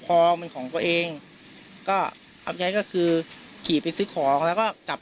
พอมันของตัวเองก็อัพยก็คือขี่ไปซื้อของแล้วก็จับ